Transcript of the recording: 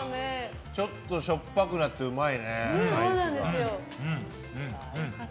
ちょっとしょっぱくなってうまいね、アイスが。